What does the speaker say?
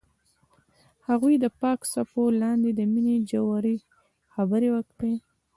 هغوی د پاک څپو لاندې د مینې ژورې خبرې وکړې.